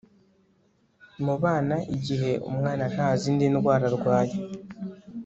mu bana, igihe umwana nta zindi ndwara arwaye